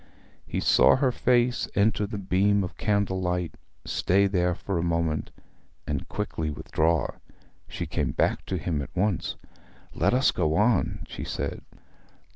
He saw her face enter the beam of candlelight, stay there for a moment, and quickly withdraw. She came back to him at once. 'Let us go on,' she said.